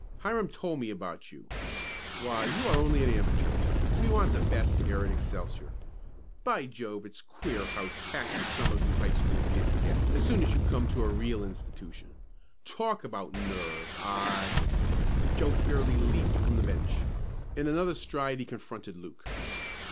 Hiram told me about you. Why, you are only an amateur. We want the best here at Excelsior. By Jove, it's queer how tacky some of you high school kids get as soon as you come to a real institution. Talk about nerve, I " Joe fairly leaped from the bench. In another stride he confronted Luke.